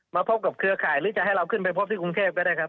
พบกับเครือข่ายหรือจะให้เราขึ้นไปพบที่กรุงเทพก็ได้ครับ